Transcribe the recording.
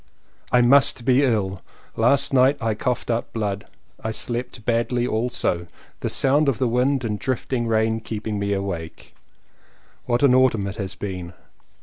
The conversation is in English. I MUST be ill; last night I coughed up blood. I slept badly also, the sound of the wind and drifting rain keeping me awake. What an autumn it has been!